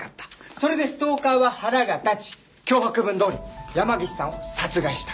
それでストーカーは腹が立ち脅迫文どおりに山岸さんを殺害した。